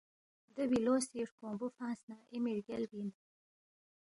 دے بِلو سی ہرکونگبُو فنگس نہ اے می رگیالبی اِن